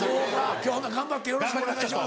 今日はほな頑張ってよろしくお願いします。